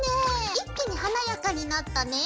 一気に華やかになったねぇ！